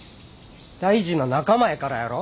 大事な仲間やからやろ！